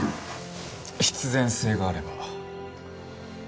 必然性があれば。